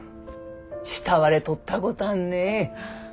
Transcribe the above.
慕われとったごたんね。